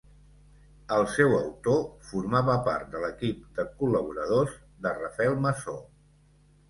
El seu autor formava part de l'equip de col·laboradors de Rafael Masó.